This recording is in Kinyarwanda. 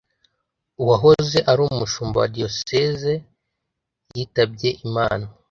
uwahoze ari umushumba wa diyosezi yitabyeimana